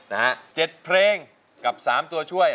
นะฮะ๗เพลงกับ๓ตัวช่วย